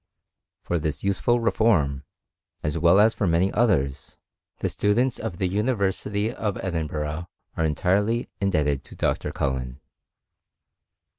For this useful reform, as well as for many others, the stu dents in the University of Edinburgh are entirely in debted'to Dr. CuUen.